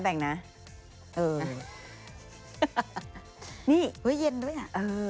เออนี่เฮ้ยเย็นด้วยอะ